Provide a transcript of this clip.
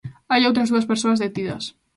Hai outras dúas persoas detidas.